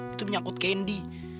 itu menyangkut candy